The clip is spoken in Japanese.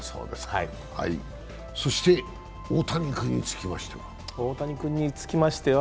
そして大谷君につきましては？